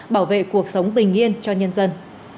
bảo vệ cuộc sống bình yên cho nhân dân